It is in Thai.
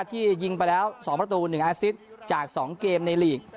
ที่ยิงไปแล้ว๒ประตู๑อาซิตจาก๒เกมในลีก